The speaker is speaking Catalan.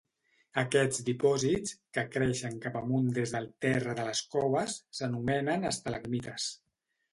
Aquests dipòsits, que creixen cap amunt des del terra de les coves, s'anomenen estalagmites.